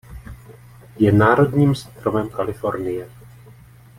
Je národním stromem Kalifornie.